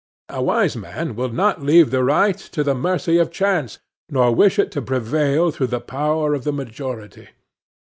A wise man will not leave the right to the mercy of chance, nor wish it to prevail through the power of the majority.